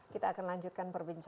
berbeda atau ada sesuatu yang berbeda